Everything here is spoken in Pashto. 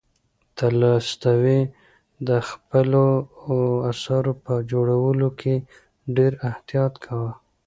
تولستوی د خپلو اثارو په جوړولو کې ډېر احتیاط کاوه.